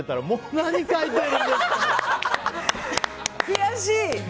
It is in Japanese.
悔しい！